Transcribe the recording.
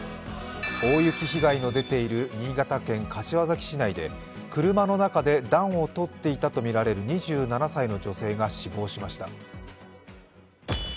大雪被害の出ている新潟県柏崎市内で車の中で暖を取っていたとみられる２７歳の女性が死亡しました。